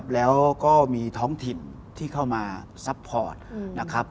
แล้วก็มีท้องถิ่นที่เข้ามาซัพพอร์ตนะครับ